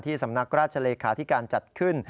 ที่สำนักราชาเลขาที่การจัดขึ้น